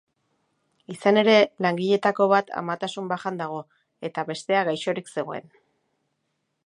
Izan ere, langileetako bat amatasun-bajan dago eta bestea gaixorik zegoen.